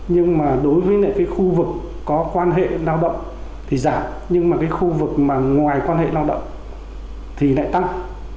nhưng mà đối với khu vực có quan hệ lao động thì giảm nhưng mà khu vực ngoài quan hệ lao động thì lại tăng